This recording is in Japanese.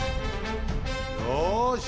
よし！